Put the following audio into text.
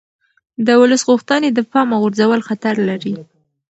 د ولس غوښتنې د پامه غورځول خطر لري